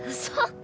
そう。